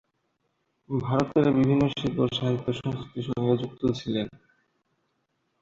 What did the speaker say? ভারতের বিভিন্ন শিল্প, সাহিত্য সংস্কৃতির সঙ্গে যুক্ত ছিলেন।